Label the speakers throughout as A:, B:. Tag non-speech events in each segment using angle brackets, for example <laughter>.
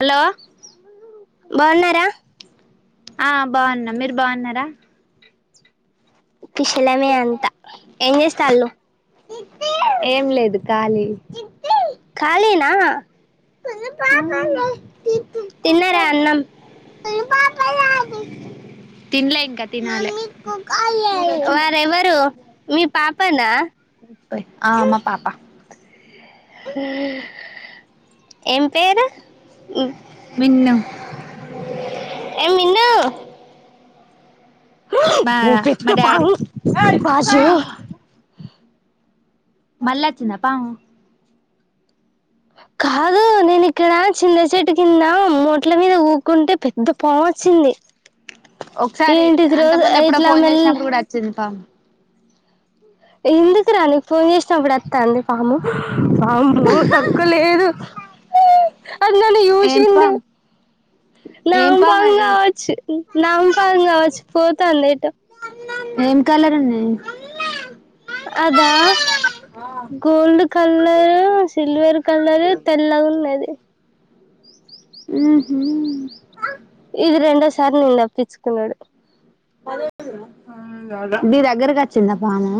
A: Hello
B: బాగున్నారా
A: ఆ బాగున్న మీరు బాగున్నారా
B: కిషలమే అంతా ఏం జేస్తాళ్ళు
A: ఏం లేదు ఖాళీ
B: ఖాళీనా
A: పా
B: తిన్నరా అన్నం
A: తినలే ఇంకా తినాలి
B: వారెవరు మీ పాపనా
A: పోయి ఆ మా పాపా
B: హ ఏపేరు
A: మిన్న
B: ఏ మీనా
A: మా
B: పూప
A: మా
B: పా
A: డాడీ
B: బజు
A: మళ్ల్ాచ్చిందప్పా
B: కాదు నేను ఇక్కడ చిన్నచటు కింద మూట్ల మీద ఊకుంటే పెద్ద పొం వచ్చింది
A: ఒకసారి
B: ఏంటిది
A: అంత
B: రోజు
A: ముందు ఎప్పుడ
B: ఇట్లా
A: ఫోన్
B: మెల్
A: చేసినప్పుడు కూడా వచ్చింది పా
B: ఎందుకు రా నీకు ఫోన్ చేసినప్పుడు ఎస్తా అండి పాము అబ తక్కువ లేదు అది నన్ను
A: ఏం
B: చూసింది
A: పామ్ ఏం పాము
B: నాంపం
A: అది
B: కావచ్చు నాంపకం కావచ్చు పోతుంది ఏటో
A: ఏం కలరున్నా
B: అదా గోల్డ్ కలరు సిల్వర్ కలరు తెల్లగాన్నది
A: ఆ
B: ఇది రెండోసారి నేను తప్పించుకున్నాడు
A: మీీ దగ్గరకి వచ్చిందా పాను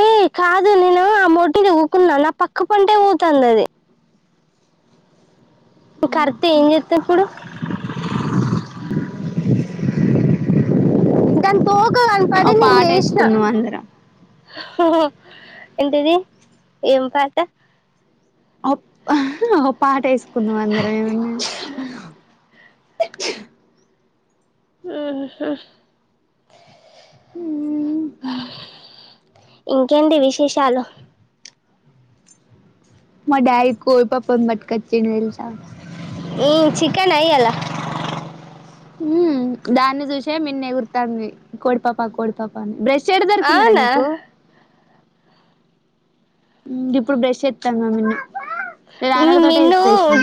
B: ఏయ కాదు నేను ఆ మొటినిఊకున్నా నా పక్క పంటే ఊతుంది అది ఇకరతే ఏం చేస్తా ఇప్పుడు సంతోష కాలని
A: ఓ
B: పడి నేను
A: పాట
B: లేసిన
A: వేసుకుందాం అందరం
B: ఏంటిది ఏం పాట
A: పటయిసు కొద్ందుమందిరమే పతి
B: ఆఓ
A: ఆ
B: ఇంకేంటి విశేషాలు
A: మా యి కో పాప మట్కచ్చని వెల్స
B: ఇ చికెన్ అయ్యాల
A: దాన్ని చూసే మన్న ఎగుర్తాంది కోడిపాపా కోడిపాపాని బ్రష్ చెడు దొరికిందరాా
B: అవునా
A: నీకు ఇప్పుడు బ్రష్ చెస్తానామ
B: ఇన్న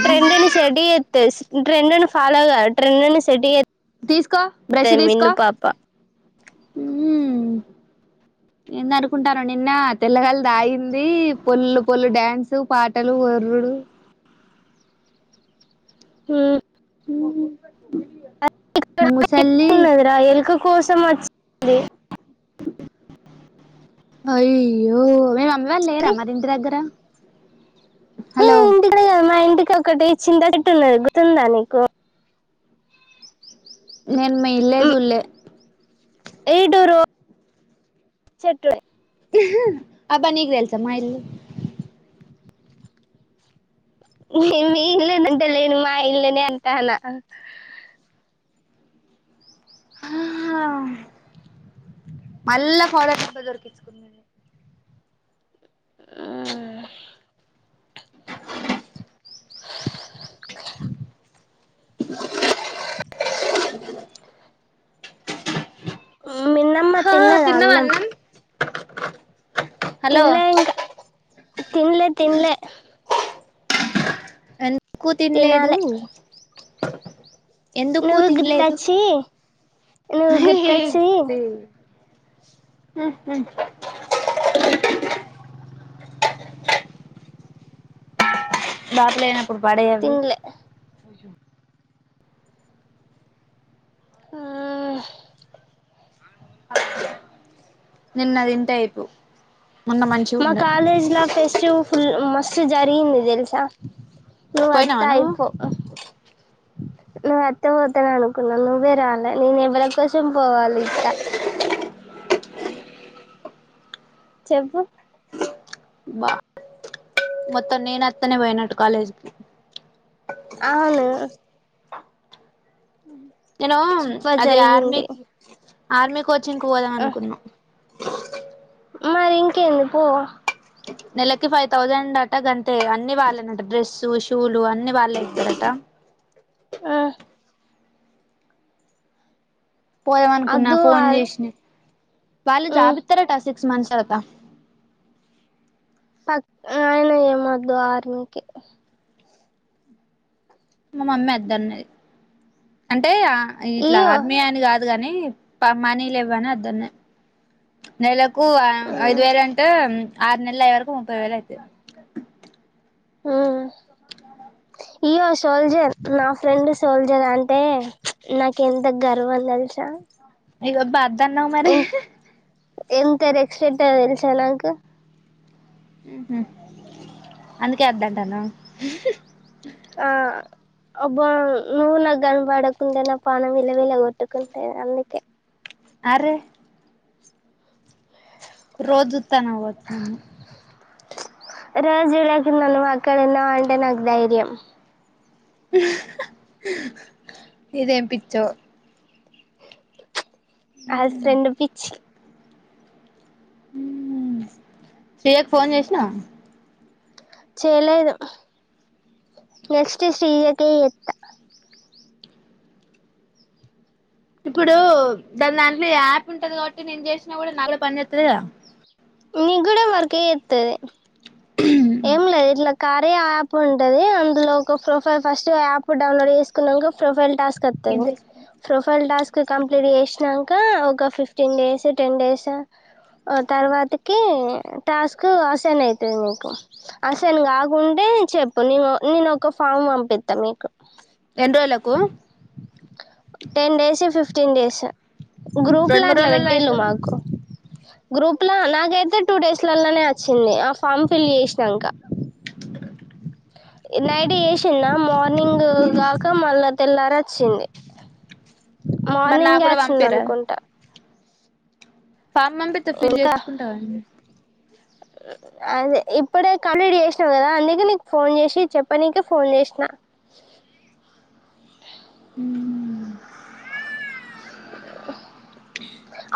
B: ట్రెం అని సెడ ఎత్త ట్రెండ్ ను ఫాలోగా ట్రెండ్ ను సెట్
A: తీసుకో బ్రష్
B: చేస్తది మిన్ను
A: తీసుకో
B: పాప
A: ఏంద అనుకుంటాను నిన్న తెల్లగళ తాగింది పొలుు పొళ్ళు డ్యాన్సు పాటలు ఎర్రుడు
B: ఆ డ
A: మా ముసల్ది
B: ఉన్నదిరా ఎలుక కోసం అ <unintelligible>
A: అయ్యో మేము అమ్మ వాళ్ళు
B: ఏ
A: లెేరా మరి ఇంటి దగ్గర హలో
B: ఇక ఒకటి చింతటెట్టు గుర్తుందా నీకు
A: నేను మెయిలే జూల్లే
B: ఈడురు చెట్లె
A: అబ్బా నీగ్దెల్సా మా ఇల్లు
B: నమి ఇల్లేనంతలేను మా ఇల్లనే అంతనా
A: మళ్ళా ఫాలప్ప దొరికించుకు
B: మిన్నమ్మా
A: హా
B: తిన్నదా
A: తిన్నావా
B: అన్నం
A: హలో
B: తిన్లే ఇంకా తిన్లే తిన్లే
A: అం ఎక్కు తినలేదు
B: తినాలే
A: ఎందుకు
B: నువ్వు
A: తినలేదు
B: గుర్తచ్చి నువ్వు గుర్తొచ్చి
A: హ బార్లేనా ఇప్పుడు పడవి
B: తినలే ఆ
A: నిన్న అది ఇంట అయిపు
B: మా కాలేజ్ లా ఫెస్టివ్ ఫుల్ మ స్తు జరిగింది తెలుసా? నువ అత్త
A: పోయినావా నువ్వు
B: అయిపో నువ్వు అత్త పోతాన అనుకున్నా నువ్వే రాలే నేను ఎవరి కోసం పోవాలి ఇంకా చెప్పు
A: బా మొత్త నేనత్తనే వయనట్టు కాలేజ్కి
B: అవును ఆ
A: నేను అది
B: జరిగింది
A: ఆర్మీకి ఆర్మీ కోచింగ్ పోదాం అనుకున్నా!
B: మరి ఇంకెంది పో
A: నెలకి ఫైవ్ థౌసండ్ అట గంతే అన్ని వాళ్ళనట డ్రెస్సు షూలు అన్ని వాళ్ళే ఇస్తరట
B: ఆ
A: పోయామనుకున్నా
B: అద్దు
A: ఫోన్
B: ఆర్
A: చేసిన వాళ్ళు జాబ్ ఇత్తారటా మనిషిఅయిత
B: పక్ ఆయన ఏమద్దు ఆర్మకి
A: మామమ్మీ అద్దరున్నది అంటే ఇట్లా
B: ఇయ్యో
A: ఆర్మీ అని కాదు కాని మనీలువ్వని అద్దన్నాయి నెల క్కువ ఐదు వేరంటే ఆరు నెలయ వరకు ముప్పై వేల యితే
B: హమ్ ఇయ్యో సోల్జర్ నా ఫ్రెండ్ సోల్జర్ అంటే నాక ఎంత గర్వం తెలుసా
A: ఇగో బద్ తన్నా మరి
B: ఎంతారు ఎక్స్డెట్ తెలిసా నాక
A: హమ్ అందుకే వద్దంటాను
B: ఆ అబ నుూల కనబడకుంటనా పణం విలవల కొట్టుకుంట అన్నికే
A: అరే రోజుతానువ్వచ్చాను
B: రాజుకి నన్న వాకాలన్న వంట నాకు్ధైర్యం
A: ఇదేం పచ్చో
B: అల ఫ్రెండ్ పిచి
A: హమ్ శియకు ఫోన్ చేసినా
B: చేలేదు నెక్స్ట్ శ్రీజక ఎత్త
A: ఇప్పుడు దాని దాంట్లో యాప్ ఉంటది కాబట్టి నేను చేసినా కూడా నలులో పనిచస్తుందిద
B: న కూడా వరకే ఎతుది ఎం లే ఎట్లా కార్య అప్ ఉంటది అందులో ఒక ప్రొఫైల్ ఫస్ట్ యాప్ డౌన్లోడ్ చేసుకున్నాక ఒక ప్రొఫైల్ టాస్క్ కతను
A: ఎన్ని
B: ప్రొఫైల్ టాస్క్ కంప్లీట్ చేసినాక ఒక ఫిఫ్టీన్ డేస్ టెన్ డేస్ తరువాత క టాస్క్ అసైన్ అవుతుంది ఇంకా అసేన్ గ గుంట అదే చెప్పు నేను నేను ఒక ఫామ్ పంపిస్తా మీకు
A: ఎన రోగలకు
B: ten days fifteen days group
A: రెండు మూడు
B: లాట్ల
A: రోజులలో
B: పెట్టటిళ్ళు
A: అయితుంది
B: మాకు గ్రూప్ నక్ నాకైతే టూ డేస్లలోనే వచ్చింది ఆ ఫామ్ ఫిల్ చేసినాక ఇదే ఏషన మర్ నింగ కాక మాల్ల తెల్లార చింది
A: మరి నాకు
B: మార్నింగ్
A: కూడా
B: అచ్చింది
A: పంపిరాదు
B: అనుకుంటా
A: ఫామ్ పంపిత్తా ఫిల్
B: ఇంకా
A: చేసుకుంటావనె
B: అదే ఇప్పుడే కంప్లీట్ చేసినావు కదా అందుకే నీకు ఫోన్ చేసి చెప్పనీకే ఫోన్ చేసినా
A: ఉమ్మ్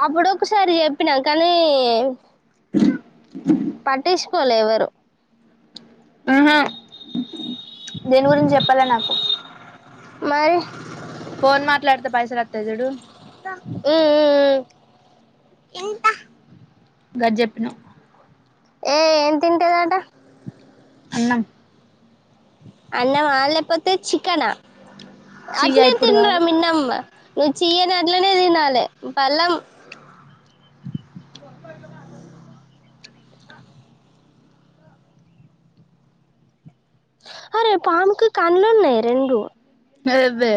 B: అప్పుడొకసారి చెప్పినా కానీ ట్టిచ్చుకోలే ఎవరు
A: ఆహా దేని గురించి చెప్పలా నాకు
B: మరి
A: ఫోన్ మాట్లాడుతే పైసాలొత్తయ్ చూడు
B: ఉమ్మ్ మ్మ్ మ్మ్
A: గద్ జెప్పిను
B: ఏ ఏం తింటదంట
A: అన్నం
B: అన్నమా లేకపోతే చికెనా
A: చీయ
B: అట్నే
A: ఇప్పుడు
B: తిన్రా
A: కాదు
B: మిన్నంబ నువ్వు చియ్య నట్లనే తినాలె పళ్ళెం
A: చప్ప
B: అరే పాముకు కండ్లున్నయ్ రెండు
A: అబెబ్బె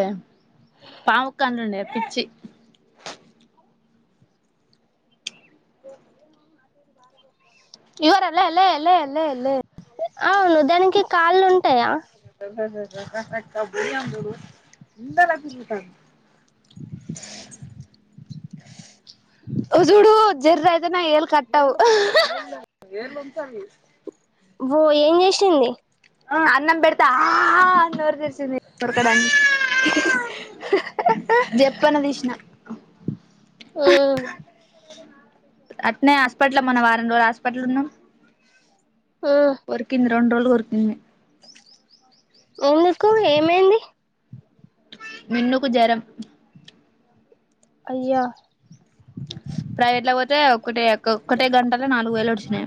A: పాముకు కండ్లున్నయా పిచ్చి ఇవర లే లే లే లే లే
B: అవును దానికి కాళ్ళుంటాయా
A: క్క బుడిందు ఇలకుత ఉ జూడు జర్ ఐతే నా ఏలు కట్టౌవ్
B: ఓ ఏం చేసింది
A: అన్నం బెడితే ఆ అని నోరు తెరి చింతి కొరకడాన్ జప్పన దీష్నా
B: ఊ
A: అట్నే యాస్ ప్పట్లో మొన్న వారం రోజులాస్ ప్పట్లున్ను
B: ఊ
A: రెండు రోజులు కొరికింది
B: ఎందుకు ఏమైంది
A: మిన్ను కు జరం
B: అయ్యా
A: ప్రైవేట్ ల పోతే ఒక్కటే <unintelligible> కొక్కటే గంటలో నాలుగు వేలు ఉడిషినాయి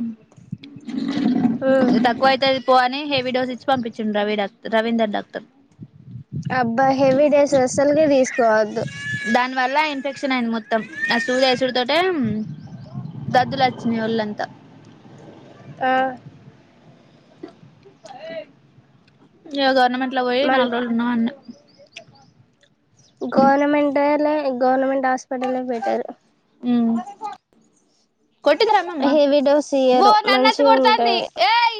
B: ఉమ్,
A: తక్కువైతాది స్నే హెవీ డోస్ ఇచ్చి పంపించండి రవి డాక్టర్ రవీందర్ డాక్టర్
B: కాదు
A: దాని వల్ల ఇన్ఫెక్షన్ అయింది మొత్తం ఆ సూది వేసుడు తట గద్దులు వచ్చినాయి ఒళ్ళంతా <unintelligible>
B: ఆ
A: గవర్నమెంట్ ఇట్ల పోయి
B: మళ్ళీ
A: నాలు రోజులు నున్న అన్న <unintelligible>
B: గవర్నమెంటో లే గవన్నమెంట్ హాస్పిటల్ యే బెటర్
A: హ్మ్మ్ కొట్టకు రమ్మన్న
B: హెవీ డోస్
A: ఓ
B: ఇయ్యరు
A: నన్నచ్చ
B: మంచిగా
A: కొడుతంది
B: ఉంటాయి
A: ఏయ్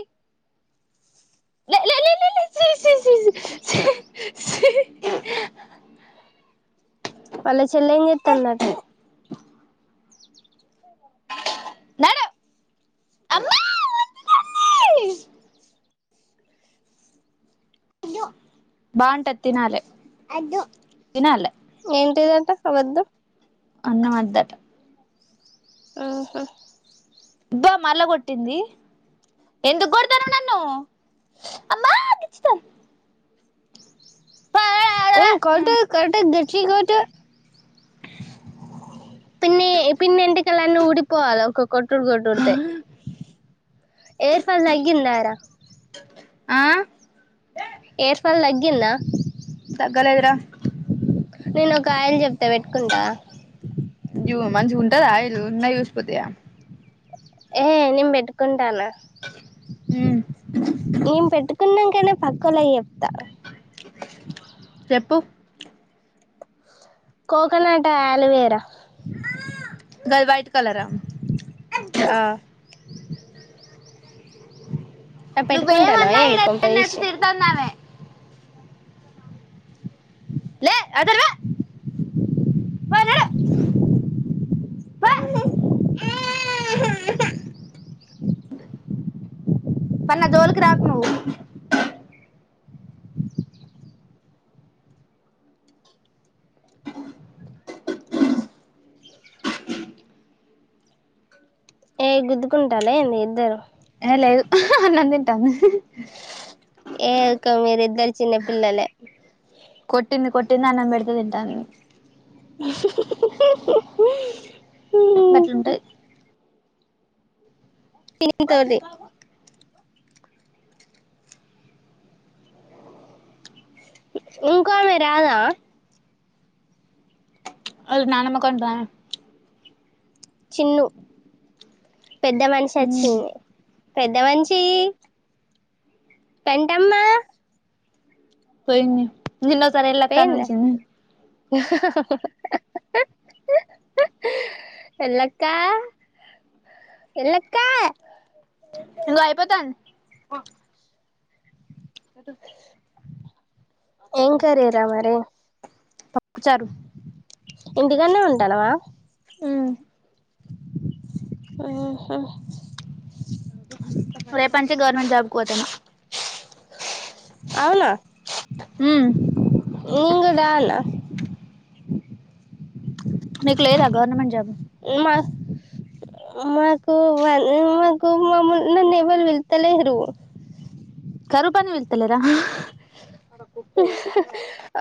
A: ఏ లే లే లే
B: వాళ్ళ చెల్ల ఏం చెత్తందట
A: నాడు అమ్మా వద్దు తల్లి బాగుంట తినాలే తినాలే
B: ఏంటిదంట వొద్దు
A: అన్నం వొద్దట
B: ఆహా
A: అబ్బా మల్ల కొట్టింది ఎందుకు కొడతాన్నవ్ నన్ను అమ్మా గిచ్చుతాంది.
B: ఓ కొట కట దచ్చ కట <unintelligible> ఊడిపోవాల ఒకొకొ కొట్టుడు కొట్టూడుతే ఎయిర్ ఫాల్ తగ్గిందార
A: ఆ
B: ఏర్ ఫాల్ తగ్గిందా
A: తగ్గలేదురా
B: నేనొక ఆయిల్ చెప్తా పెట్టుకుంటవా
A: మంచిగుంటదా ఆయిల్ ఉన్నయి ఊసిపోతయా
B: ఏ నేను పెట్టుకుంటాన్న
A: ఉమ్
B: ఏం పెట్టుకు నంకనే పక్కొల్లకీ చెప్తా
A: చెప్పు
B: కోకోనట్ ఆలోవేరా
A: గది వైట్ కలరా
B: ఆ ఆ
A: నువ్వు
B: పెట్టుకుంటానవా
A: ఏమన్నా
B: ఏంది
A: ఇక్కడ
B: కొంప
A: నన్ను వచ్చి
B: తీసి
A: తిడుతది ఆమె లే అవతలికి పో పా నడువు ప మరి నా జోలికి రాకు నువ్వు
B: ఏ గుద్దుకుంటాలా ఏంది ఇద్దరు
A: ఏ లేదు అన్నం తింటున్న
B: ఏ ఇక మీరు ఇద్దరు చిన్న పిల్లలే
A: కొట్టింది కొట్టింది అన్నం పెడితే తింటది
B: హ హా ఉ
A: గట్లుంటాది
B: కెలుకుతుంది ఇంకో ఆమె రాదా
A: అ నానమ్మకుండ
B: చిన్ను పెద్ద మనిషి
A: ఉమ్
B: వచ్చింది పెద్ద మంచి పెంటమ్మ
A: పోయింది నిన్నోసారి వెళ్ళలక్కని విలిచింది
B: ఎలక్కా ఎలక్కా
A: యిపోతాను అద <unintelligible>
B: ఏం కారీ ర మరే
A: పప్పుచారు
B: ఇందుకనే ఉంటానువా
A: ఆ
B: ఆహా
A: ే పంచ గవర్నమెంట్ జాబ్ కుద్దన
B: అవులా నింగడాా
A: నీకు లేదా గవర్నమెంట్ జాబు
B: మా మాకు మాకు మమ్మల్ నన్ను ఎ వాళు పి ళ్తలేరు
A: కరు పని వెళ్తలరా
B: అ